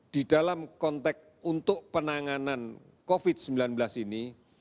di dalam konteks untuk penanganan covid sembilan belas ini